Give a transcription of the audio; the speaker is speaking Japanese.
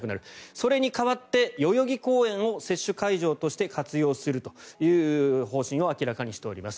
それに代わって代々木公園を接種会場として活用するという方針を明らかにしております。